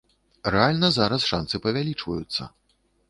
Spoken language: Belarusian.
Рэальна зараз шанцы павялічваюцца.